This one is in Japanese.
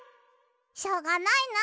しょうがないな。